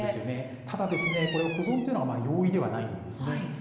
ただ保存というのは容易ではないんですね。